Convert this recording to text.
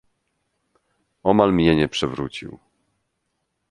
"Omal mnie nie przewrócił."